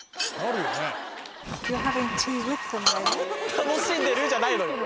「楽しんでる？」じゃないのよ。